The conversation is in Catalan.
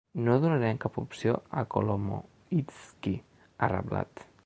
No donarem cap opció a Kolomoyskyi, ha reblat.